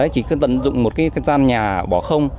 chỉ cần dùng một cái gian nhà bỏ không